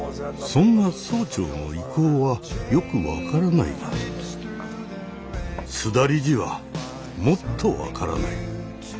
そんな総長の意向はよく分からないが須田理事はもっと分からない。